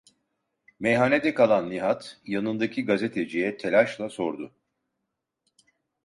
Meyhanede kalan Nihat, yanındaki gazeteciye telaşla sordu: